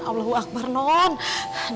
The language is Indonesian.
allahu akbar nona